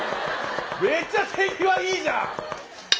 めっちゃ手際いいじゃん！